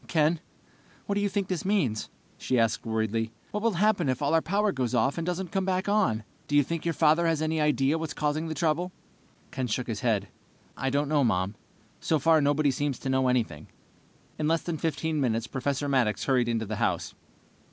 "Ken, what do you think this means?" she asked worriedly. "What will happen if all our power goes off and doesn't come back on? Do you think your father has any idea what's causing the trouble?" Ken shook his head. "I don't know, Mom. So far, nobody seems to know anything." In less than 15 minutes, Professor Maddox hurried into the house.